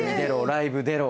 ライブ出ろ。